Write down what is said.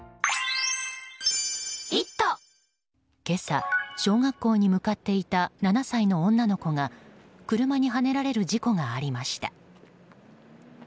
今朝、小学校に向かっていた７歳の女の子が車にはねられる事故がありました。